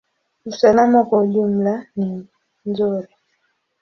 Usalama kwa ujumla ni nzuri.